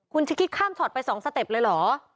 คุณจะคิดข้ามช็อตไป๒สเต็ปเลยเหรอ